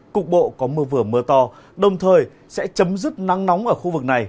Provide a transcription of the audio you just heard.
cục bộ có mưa vừa mưa to đồng thời sẽ chấm dứt nắng nóng ở khu vực này